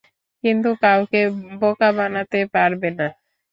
কিন্তু, কাউকেই বোকা বানাতে পারবে না!